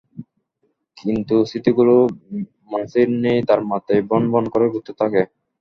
কিন্তু স্মৃতিগুলো মাছির ন্যায় তাঁর মাথায় ভন ভন করে ঘুরতে থাকে।